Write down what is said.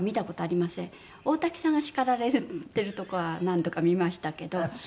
大滝さんが叱られてるとこは何度か見ましたけど。